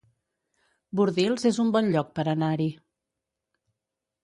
Bordils es un bon lloc per anar-hi